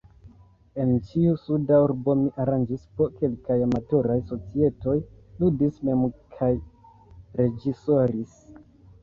En ĉiu suda urbo mi aranĝis po kelkaj amatoraj societoj, ludis mem kaj reĝisoris.